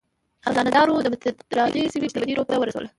خزانه دارو د مدترانې سیمې شتمني روم ته ورسوله.